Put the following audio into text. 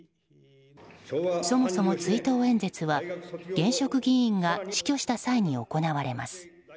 そもそも追悼演説は現職議員が死去した際に行われます。